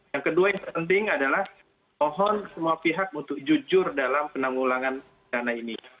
yang kedua yang penting adalah mohon semua pihak untuk jujur dalam penanggulangan dana ini